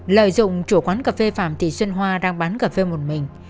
lợi dụng chủ quán cà phê phạm thị xuân hoa đang bán cà phê một mình